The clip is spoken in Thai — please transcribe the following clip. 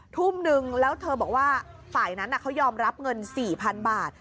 ทุ่มนึงแล้วเธอบอกว่าฝ่ายนั้นเขายอมรับเงิน๔๐๐๐บาท